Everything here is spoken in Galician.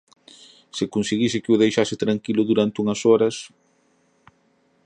Se conseguise que o deixase tranquilo durante unhas horas...